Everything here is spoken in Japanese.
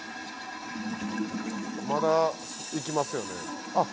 まだ行きますよねあっ！